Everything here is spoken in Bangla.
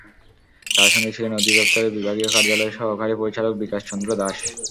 তাঁর সঙ্গে ছিলেন অধিদপ্তরের বিভাগীয় কার্যালয়ের সহকারী পরিচালক বিকাশ চন্দ্র দাশ।